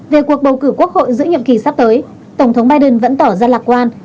về cuộc bầu cử quốc hội giữa nhiệm kỳ sắp tới tổng thống biden vẫn tỏ ra lạc quan